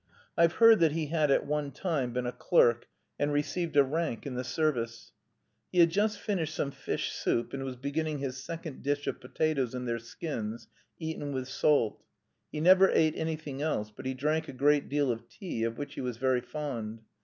I've heard that he had at one time been a clerk, and received a rank in the service. He had just finished some fish soup, and was beginning his second dish of potatoes in their skins, eaten with salt. He never ate anything else, but he drank a great deal of tea, of which he was very fond.